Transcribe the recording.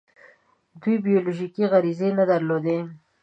دوی بیولوژیکي غریزې نه درلودې.